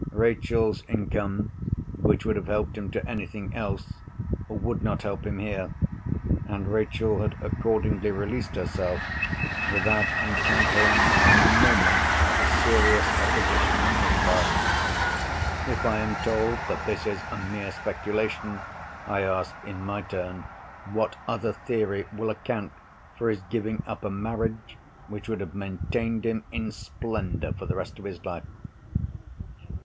Rachel's income, which would have helped him to anything else, would not help him here; and Rachel had accordingly released herself, without encountering a moment's serious opposition on his part. If I am told that this is a mere speculation, I ask, in my turn, what other theory will account for his giving up a marriage which would have maintained him in splendour for the rest of his life?